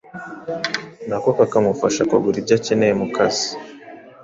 nako kakamufasha kugura ibyo akenera mu kazi.